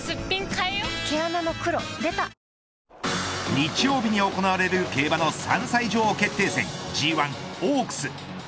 日曜日に行われる競馬の３歳女王決定戦Ｇ１オークス。